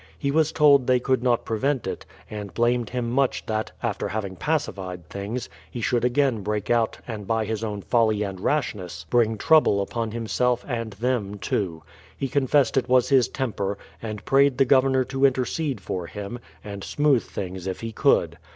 He was told they could not prevent it, and blamed him much that, after having pacified things, he should again break out and by his own folly and rashness bring trouble upon himself and them too. He confessed it was his temper, and prayed the Governor to intercede for him, and smooth things if he could.